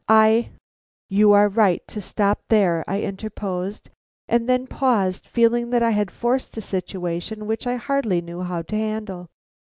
I " "You are right to stop there," I interposed, and then paused, feeling that I had forced a situation which I hardly knew how to handle.